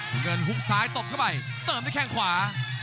น้ำเงินหุบซ้ายตบเข้าไปเติมด้วยแข้งขวา